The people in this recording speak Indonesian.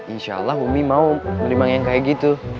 insya allah umi mau menimbang yang kayak gitu